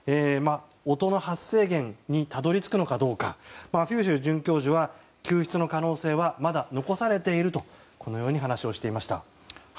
音の発生源にたどり着くのどうかフューシル准教授は救出の可能性はまだ残されていると話していました。